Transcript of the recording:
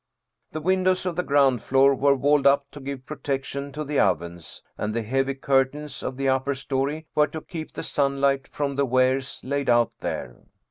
The windows of the ground floor were walled up to give protection to the ovens, and the heavy curtains of the upper story were to keep the sunlight from the wares laid out there.